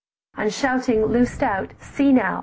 But shouting, loosed out, see now!